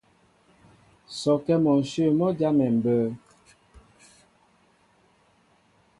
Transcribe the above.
Sɔkɛ mɔnshyə̂ mɔ́ jámɛ mbə̌.